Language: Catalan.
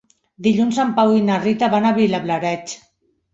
Dilluns en Pau i na Rita van a Vilablareix.